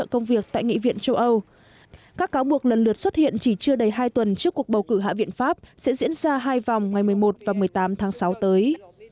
các cáo buộc lần lượt xuất hiện chỉ chưa đầy hai tuần trước cuộc bầu cử hạ viện pháp sẽ diễn ra hai vòng ngày một mươi một và một mươi tám tháng sáu tới